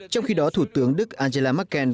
trong khi đó thủ tướng đức angela merkel